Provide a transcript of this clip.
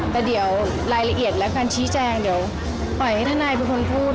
แต่เดี๋ยวรายละเอียดและการชี้แจงเดี๋ยวปล่อยให้ทนายเป็นคนพูด